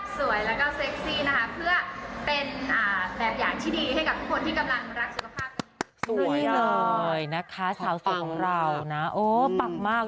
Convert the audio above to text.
สวยเลยนะคะสาวสวยของเรานะโอ๊ยปักมาก